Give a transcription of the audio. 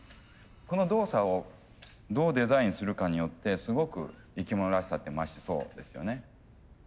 この動作をどうデザインするかによってすごく生き物らしさって増しそうですよね。